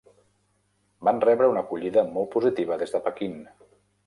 Van rebre una acollida molt positiva des de Pequín.